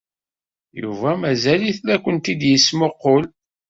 Yuba mazal-it la kent-id-yettmuqqul.